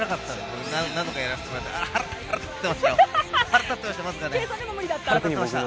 僕、何度もやらせてもらって。